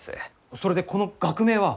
それでこの学名は？